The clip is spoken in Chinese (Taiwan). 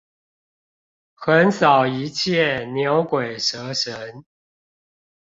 橫掃一切牛鬼蛇神